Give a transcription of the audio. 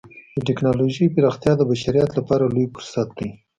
د ټکنالوجۍ پراختیا د بشریت لپاره لوی فرصت دی.